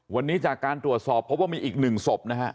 วันนี้จากการตรวจสอบพบว่ามีอีก๑ศพนะฮะ